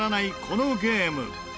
このゲーム。